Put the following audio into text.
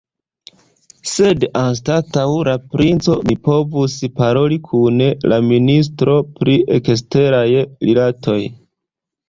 Sed anstataŭ la princo, mi povus paroli kun la ministro pri eksteraj rilatoj.